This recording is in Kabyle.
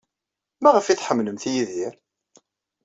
Maɣef ay tḥemmlemt Yidir?